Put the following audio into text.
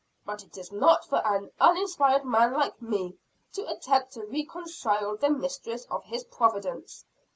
"But it is not for an uninspired man like me, to attempt to reconcile the mysteries of His providence.